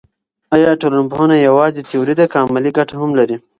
آیا ټولنپوهنه یوازې تیوري ده که عملي ګټه هم لري.